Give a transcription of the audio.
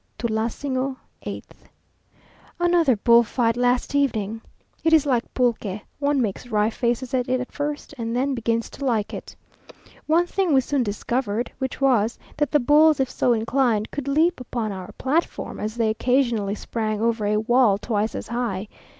TULANSINGO , 8th. Another bull fight last evening! It is like pulque; one makes wry faces at it at first, and then begins to like it. One thing we soon discovered; which was, that the bulls, if so inclined, could leap upon our platform, as they occasionally sprang over a wall twice as high.